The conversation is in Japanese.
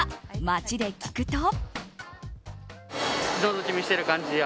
街で聞くと。